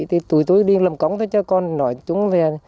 thế thì tụi tôi đi làm cống cho con nói chúng về